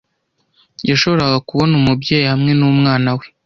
'Yashoboraga kubona Umubyeyi hamwe n'Umwana we